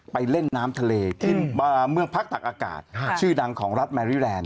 ไปเล่นน้ำทะเลที่เมืองพักตักอากาศชื่อดังของรัฐแมรี่แลนด